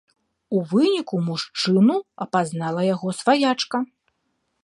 У выніку мужчыну апазнала яго сваячка.